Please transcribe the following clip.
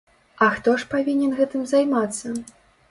А хто ж павінен гэтым займацца?